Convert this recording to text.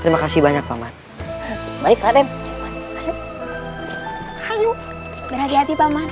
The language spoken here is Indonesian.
terima kasih banyak paman baik raden ayo berhati hati paman